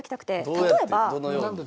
例えば。